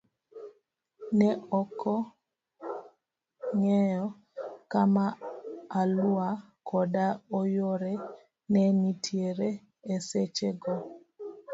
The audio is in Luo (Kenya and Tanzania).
Ne okong'eyo kama Alua koda yuore ne nitiere e seche go.